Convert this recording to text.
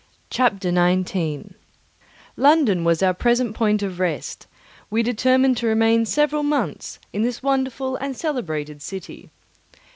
Chapter 19 London was our present point of rest; we determined to remain several months in this wonderful and celebrated city.